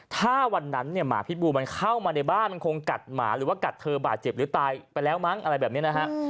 ถ้าวันนั้นเนี่ยหมาพิบูมันเข้ามาในบ้านมันคงกัดหมาหรือว่ากัดเธอบาดเจ็บหรือตายไปแล้วมั้งอะไรแบบนี้นะฮะ